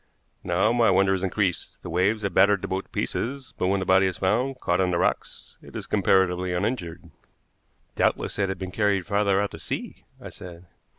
Now my wonder is increased. The waves had battered the boat to pieces, but when the body is found, caught on the rocks, it is comparatively uninjured." "Doubtless it had been carried farther out to sea," I said.